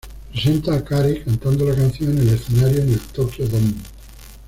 Presenta a Carey cantando la canción en el escenario en el Tokyo Dome.